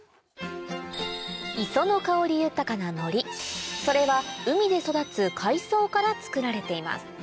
磯の香り豊かなのりそれは海で育つ海藻から作られています